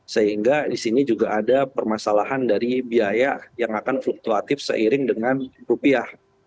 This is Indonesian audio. sehingga di sini juga ada permasalahan dari biaya yang akan fluktuatif seiring dengan rupiah